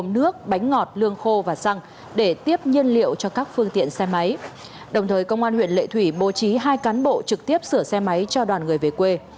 đồng thời công an huyện lệ thủy bố trí hai cán bộ trực tiếp sửa xe máy cho đoàn người về quê